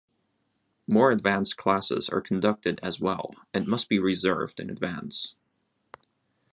More advanced classes are conducted as well, and must be reserved in advance.